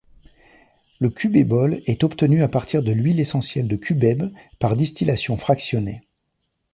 Le cubébol est obtenu à partir de l'huile essentielle de cubèbe par distillation fractionnée.